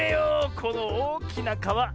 このおおきなかわ！